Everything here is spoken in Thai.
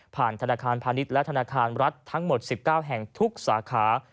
ธนาคารพาณิชย์และธนาคารรัฐทั้งหมด๑๙แห่งทุกสาขา